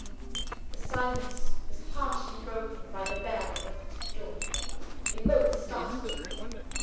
The silence was harshly broken by the bell at the cottage door. They both started.